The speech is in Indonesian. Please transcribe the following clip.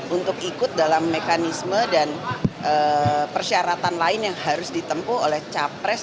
untuk ikut dalam mekanisme dan persyaratan lain yang harus ditempuh oleh capres